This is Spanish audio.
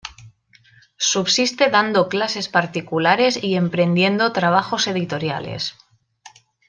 Subsiste dando clases particulares y emprendiendo trabajos editoriales.